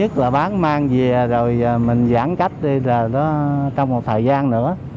tốt nhất là bán mang về rồi mình giãn cách đi trong một thời gian nữa